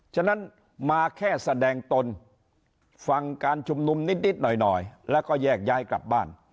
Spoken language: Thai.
ฉะนั้นมาแค่แสดงตนฟังการชุมนุมนิดหน่อยแล้วก็แยกย้ายกลับบ้าน